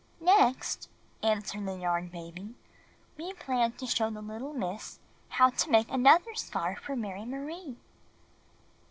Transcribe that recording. Next/' answered the Yarn Baby, ''we planned to show the little Miss how to make another scarf for Mary Marie."